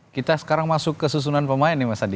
kita sekarang masuk ke susunan pemain nih mas adi